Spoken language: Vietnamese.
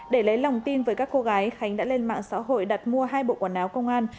để lấy lòng tin với các cô gái khánh đã lên mạng xã hội đặt mua hai bộ quần áo công an